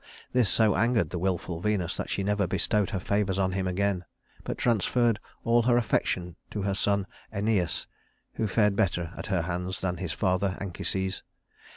This so angered the willful Venus that she never bestowed her favors on him again; but transferred all her affection to her son Æneas, who fared better at her hands than his father Anchises.